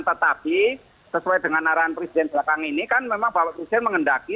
tetapi sesuai dengan arahan presiden belakang ini kan memang bapak presiden mengendaki